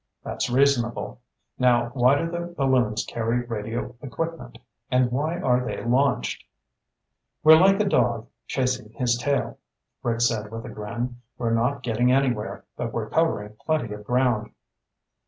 "That's reasonable. Now, why do the balloons carry radio equipment? And why are they launched?" "We're like a dog chasing his tail," Rick said with a grin. "We're not getting anywhere, but we're covering plenty of ground."